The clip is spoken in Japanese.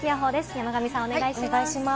山神さん、お願いします。